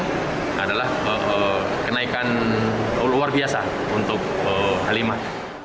yang paling penting adalah kenaikan luar biasa untuk halimah